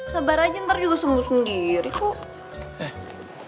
sabar aja ntar juga sembuh sendiri kok